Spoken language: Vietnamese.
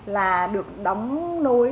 là được đóng nối